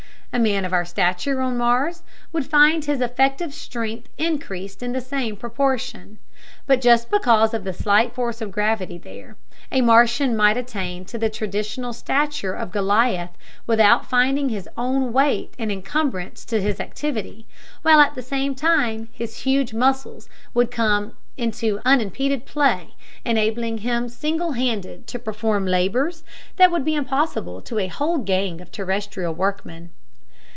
A man of our stature on Mars would find his effective strength increased in the same proportion. But just because of the slight force of gravity there, a Martian might attain to the traditional stature of Goliath without finding his own weight an encumbrance to his activity, while at the same time his huge muscles would come into unimpeded play, enabling him single handed to perform labors that would be impossible to a whole gang of terrestrial workmen.